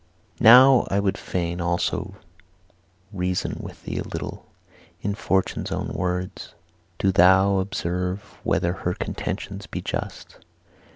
II. 'Now I would fain also reason with thee a little in Fortune's own words. Do thou observe whether her contentions be just.